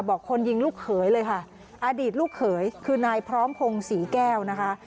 คนยิงลูกเขยเลยค่ะอดีตลูกเขยคือนายพร้อมพงศรีแก้วนะคะ